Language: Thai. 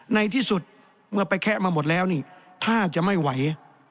ในที่สุดเมื่อไปแคะมาหมดแล้วนี่ถ้าจะไม่ไหว